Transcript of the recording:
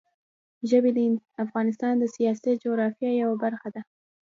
ژبې د افغانستان د سیاسي جغرافیه یوه برخه ده.